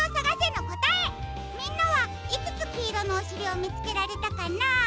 みんなはいくつきいろのおしりをみつけられたかな？